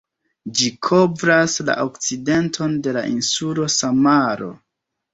Ĝi kovras la okcidenton de la insulo Samaro.